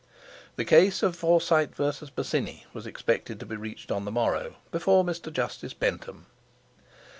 The case of Forsyte v. Bosinney was expected to be reached on the morrow, before Mr. Justice Bentham.